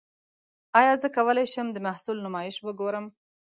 ایا زه کولی شم د محصول نمایش وګورم؟